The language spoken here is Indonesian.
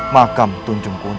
makam tunjung kuning